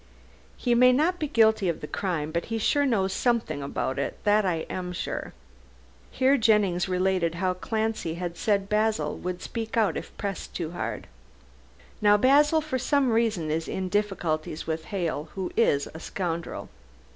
"He may not be guilty of the crime, but he knows something about it, I am sure." Here Jennings related how Clancy had said Basil would speak out if pressed too hard. "Now Basil, for some reason, is in difficulties with Hale, who is a scoundrel.